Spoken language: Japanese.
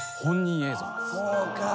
そうか。